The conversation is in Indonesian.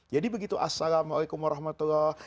jadi begitu assalamualaikum warahmatullah